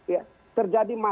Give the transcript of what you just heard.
ya terjadi masalah